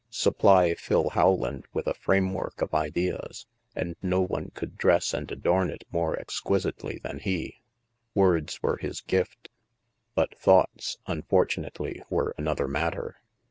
Supply* Phil Howland with a framework of ideas, and no one could dress and adorn it more exquisitely than he. Words were his gift. But thoughts, im fortunately, were another matter.